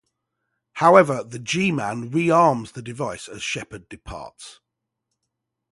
However, the G-Man rearms the device as Shephard departs.